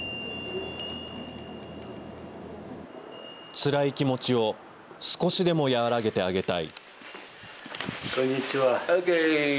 つらい気持ちを少しでも和らげてあげたい。